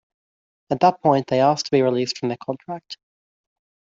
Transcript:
At that point, they asked to be released from their contract.